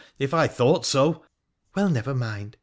If I thought so !'' Well, never mind.